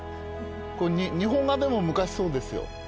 日本画でも昔そうですよ。